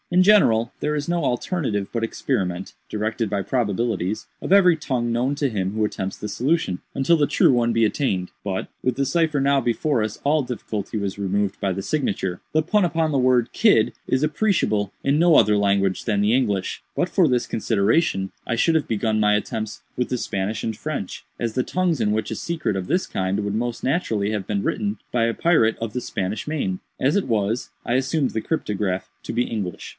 In general, there is no alternative but experiment (directed by probabilities) of every tongue known to him who attempts the solution, until the true one be attained. But, with the cipher now before us, all difficulty was removed by the signature. The pun upon the word 'Kidd' is appreciable in no other language than the English. But for this consideration I should have begun my attempts with the Spanish and French, as the tongues in which a secret of this kind would most naturally have been written by a pirate of the Spanish main. As it was, I assumed the cryptograph to be English.